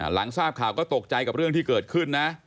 หลังทราบข่าวก็ตกใจกับเรื่องที่เกิดขึ้นนะ